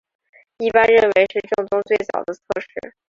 一般认为是政宗最早的侧室。